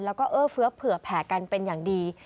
แล้วก็เอื้อเฟื้อเผื่อแผ่กันเป็นอย่างดี